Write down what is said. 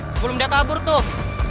sebelum dia kabur tuh